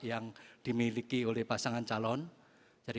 yang dimiliki oleh pasangan calon jadi